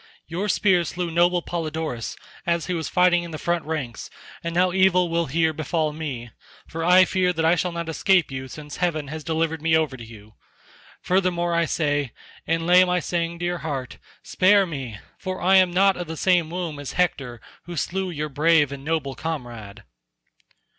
Your spear slew noble Polydorus as he was fighting in the front ranks, and now evil will here befall me, for I fear that I shall not escape you since heaven has delivered me over to you. Furthermore I say, and lay my saying to your heart, spare me, for I am not of the same womb as Hector who slew your brave and noble comrade."